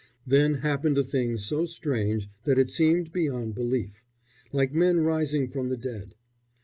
Then happened a thing so strange that it seemed beyond belief, like men rising from the dead.